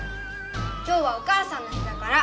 今日はお母さんの日だから！